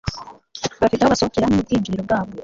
Bafite aho basohokera nubwinjiriro bwabo